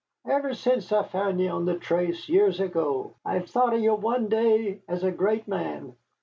Ever sence I found ye on the trace, years ago, I've thought of ye one day as a great man.